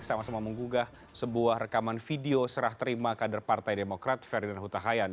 sama sama menggugah sebuah rekaman video serah terima kader partai demokrat ferdinand huta hayan